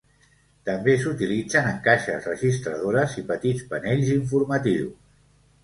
També s'utilitzen en caixes registradores i petits panells informatius.